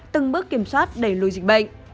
từng bước kiểm soát đẩy lùi dịch bệnh